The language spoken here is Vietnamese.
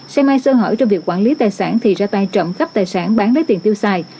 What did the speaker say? xe may sơ hở trong việc quản lý tài sản thì ra tay trộm khắp tài sản bán lấy tiền tiêu xài